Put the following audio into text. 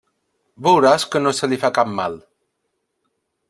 Veuràs que no se li fa cap mal.